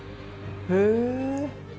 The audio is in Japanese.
へえ。